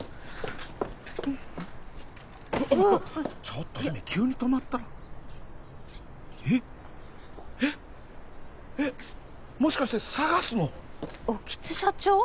うあっちょっと姫急に止まったらえっえっえっもしかしてＳＡＧＡＳの興津社長？